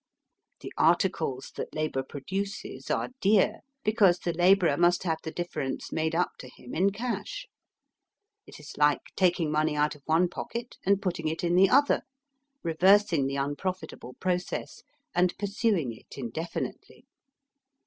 The articles that labour produces are dear because the labourer must have the difference made up to him in cash. It is like taking money out of one pocket and putting it in the other, reversing the unprofitable process and pursuing it indefi nitely.